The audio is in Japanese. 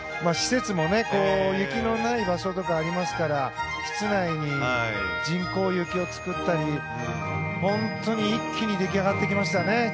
施設も雪のない場所とかありますから室内に人工雪を作ったり本当に一気に出来上がってきましたね